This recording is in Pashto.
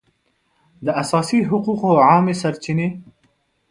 د اساسي حقوقو عامې سرچینې